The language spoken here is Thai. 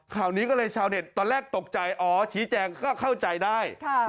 ข่าวนี้ก็เลยชาวเน็ตตอนแรกตกใจอ๋อชี้แจงก็เข้าใจได้